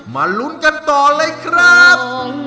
มาลุ้นกันต่อเลยครับ